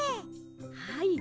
はい。